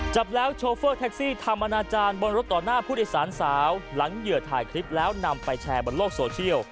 จับแล้วโชเฟอร์แท็กซี่ทำอนาจารย์บนรถต่อหน้าผู้โดยสารสาวหลังเหยื่อถ่ายคลิปแล้วนำไปแชร์บนโลกโซเชียล